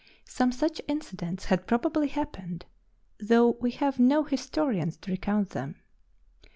Some such incidents had probably happened, though we have no historians to recount them.